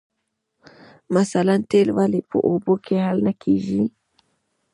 مثلاً تیل ولې په اوبو کې نه حل کیږي